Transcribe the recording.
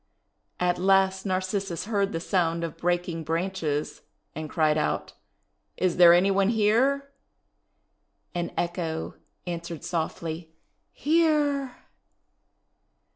At last Narcissus heard the sound of breaking branches, and cried out, "Is there any one here?" And Echo answered softly, "Here!